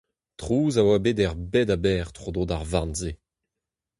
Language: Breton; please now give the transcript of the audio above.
Trouz a oa bet er bed a-bezh tro-dro d'ar varn-se.